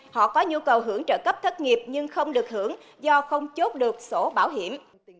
họ có nhu cầu hưởng trợ cấp thất nghiệp nhưng không được hưởng do không chốt được sổ bảo hiểm